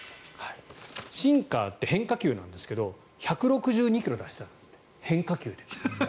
シンカーって変化球なんですけど１６２ｋｍ出してたんですって変化球で。